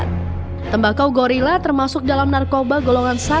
tembakau gorilla termasuk dalam narkoba golongan satu